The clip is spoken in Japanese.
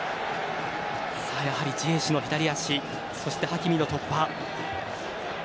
やはりジエシュの左足そしてハキミの突破。